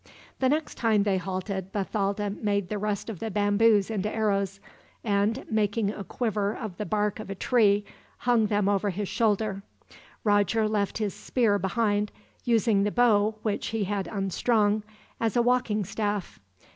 The next time they halted, Bathalda made the rest of the bamboos into arrows and, making a quiver of the bark of a tree, hung them over his shoulder. Roger left his spear behind; using the bow, which he had unstrung, as a walking staff.